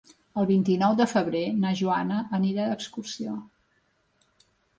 El vint-i-nou de febrer na Joana anirà d'excursió.